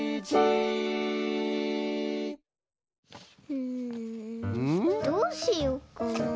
うんどうしよっかな。